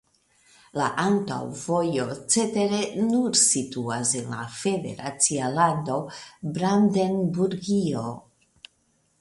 La aŭtovojo cetere nur situas en la federacia lando Brandenburgio.